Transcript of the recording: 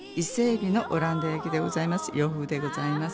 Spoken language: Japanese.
洋風でございます。